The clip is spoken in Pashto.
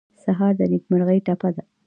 سهار د نیکمرغۍ ټپه ده.